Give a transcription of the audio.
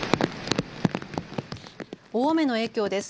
大雨の影響です。